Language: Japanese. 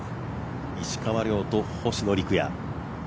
石川遼と星野陸也。